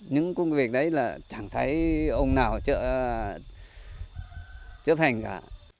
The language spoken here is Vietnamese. những công việc đấy là chẳng thấy ông nào chấp hành cả